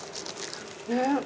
ねっ。